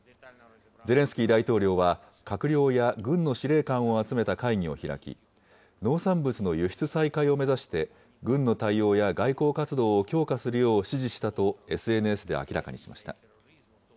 ゼレンスキー大統領は、閣僚や軍の司令官を集めた会議を開き、農産物の輸出再開を目指して、軍の対応や外交活動を強化するよう指示したと、ＳＮＳで明らかにしました。